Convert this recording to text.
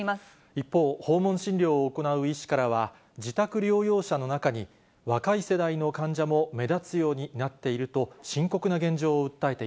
一方、訪問診療を行う医師からは、自宅療養者の中に、若い世代の患者も目立つようになっていると、深刻な現状を訴えて